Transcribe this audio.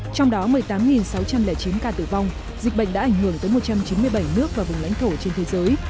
trong đó một mươi tám sáu trăm linh chín ca tử vong dịch bệnh đã ảnh hưởng tới một trăm chín mươi bảy nước và vùng lãnh thổ trên thế giới